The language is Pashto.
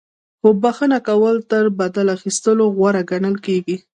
خو بخښنه کول تر بدل اخیستلو غوره ګڼل کیږي.